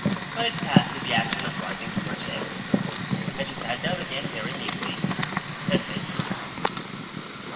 But it passed with the action of rising from her chair; and she sat down again very meekly, and fainted.